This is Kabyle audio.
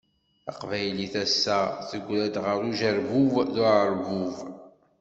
Taqbaylit ass-a tegra-d gar ujerbub d uεerbub.